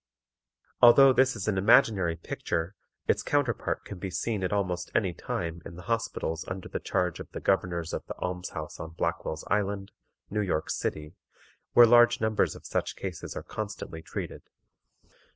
_" Although this is an imaginary picture its counterpart can be seen at almost any time in the hospitals under the charge of the Governors of the Alms House on Blackwell's Island, New York City, where large numbers of such cases are constantly treated.